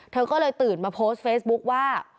เธอก็เลยตื่นมาโพสต์เฟซบุ๊คว่า